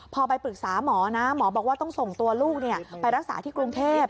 พอไปปรึกษาหมอนะหมอบอกว่าต้องส่งตัวลูกไปรักษาที่กรุงเทพ